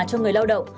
cho người lao động